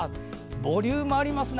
ボリュームありますね。